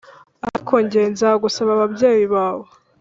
Ariko nge nzagusaba ababyeyi bawe